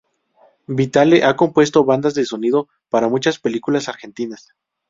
Vitale ha compuesto bandas de sonido para muchas películas argentinas.